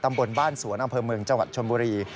บนบ้านสวนอำเภอเมืองจังหวัดชนบุรี